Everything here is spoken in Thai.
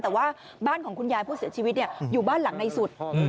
แต่ว่าบ้านของคุณยายผู้เสียชีวิตอยู่บ้านหลังในสุด